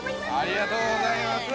◆ありがとうございます。